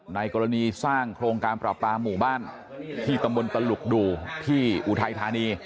ในกรณีสร้างโครงการปราปาหมู่บ้านที่ตำบลตลุกดูที่อุทัยธานี